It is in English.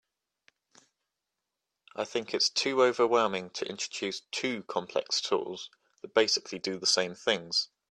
I think it’s too overwhelming to introduce two complex tools that basically do the same things.